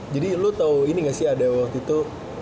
jadi lo tau ini gak sih ada waktu itu